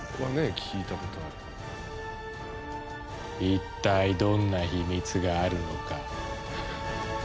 一体どんな秘密があるのか？